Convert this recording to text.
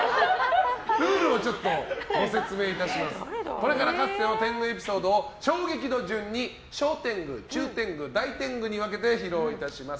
これからかつての天狗エピソードを衝撃度順に小天狗、中天狗、大天狗に分けて披露していたします。